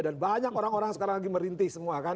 dan banyak orang orang sekarang lagi merintih semua kan